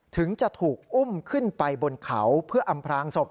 ถึงจะถูกอุ้มขึ้นไปบนเขาเพื่ออำพลางศพ